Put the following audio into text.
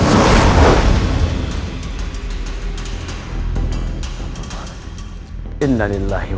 harim nicar dan pengakhir